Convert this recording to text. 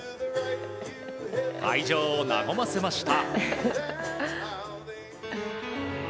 会場を和ませました。